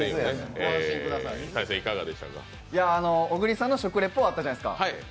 小栗さんの食リポあったじゃないですか